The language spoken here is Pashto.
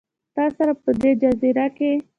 تا سره، په دې جزیره کې